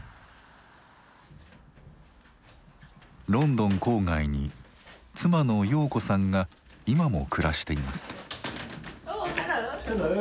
ロンドン郊外に妻の瑤子さんが今も暮らしています。